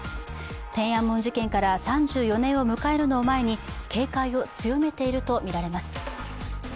天安門事件から３４年を迎えるのを前に警戒を強めているとみられます。